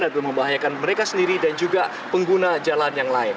atau membahayakan mereka sendiri dan juga pengguna jalan yang lain